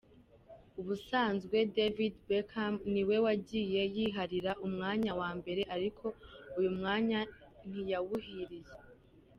Ubusanzwe David Beckham niwe wagiye yiharira umwanya wa mbere ariko uyu mwaka ntibyamuhiriye.